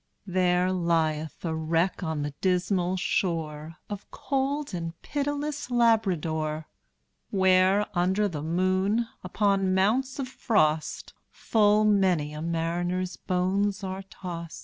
There lieth a wreck on the dismal shore Of cold and pitiless Labrador; Where, under the moon, upon mounts of frost, Full many a mariner's bones are tost.